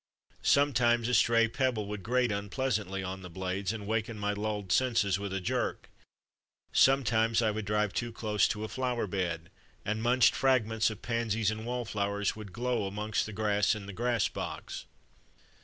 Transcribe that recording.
Sometimes a stray pebble would grate unpleasantly on the blades and waken my lulled senses with a jerk ; some times I would drive too close to a flower bed, and munched fragments of pansies and wallflowers would glow amongst the grass in the grass box.